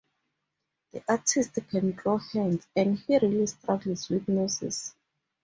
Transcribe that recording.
The artist can't draw hands, and he really struggles with noses.